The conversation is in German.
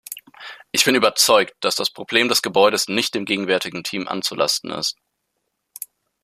Ich bin überzeugt, dass das Problem des Gebäudes nicht dem gegenwärtigen Team anzulasten ist.